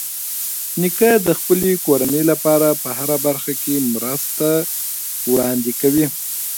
نیکه د خپلې کورنۍ لپاره په هره برخه کې مرستې وړاندې کوي.